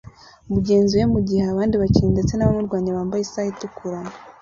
mugenzi we mugihe abandi bakinnyi ndetse nabamurwanya bambaye isaha itukura